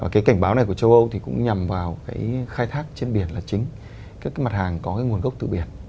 cái cảnh báo này của châu âu thì cũng nhằm vào cái khai thác trên biển là chính các mặt hàng có cái nguồn gốc từ biển